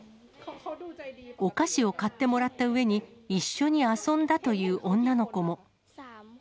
お菓子を買ってもらったうえに、一緒に遊んだという女の子も。